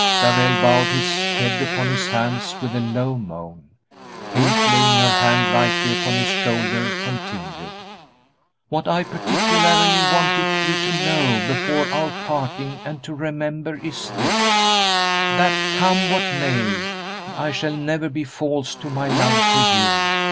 Darrell bowed his head upon his hands with a low moan. Kate, laying her hand lightly upon his shoulder, continued: "What I particularly wanted you to know before our parting and to remember is this: that come what may, I shall never be false to my love for you.